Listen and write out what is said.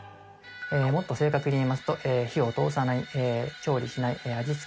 もっと正確に言いますと火を通さない調理しない味付けをしないという。